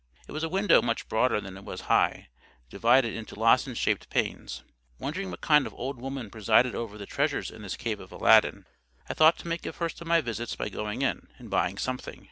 It was a window much broader than it was high, divided into lozenge shaped panes. Wondering what kind of old woman presided over the treasures in this cave of Aladdin, I thought to make a first of my visits by going in and buying something.